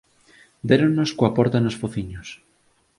Déronnos coa porta nos fociños